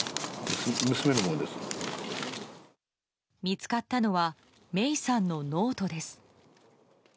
見つかったのは芽生さんのノートです。